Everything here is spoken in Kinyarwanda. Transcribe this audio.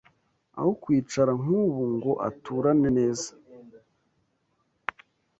Aho kwicara nk’ubu Ngo aturane neza